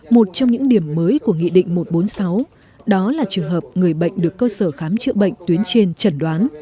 một trong những điểm mới của nghị định một trăm bốn mươi sáu đó là trường hợp người bệnh được cơ sở khám chữa bệnh tuyến trên chẩn đoán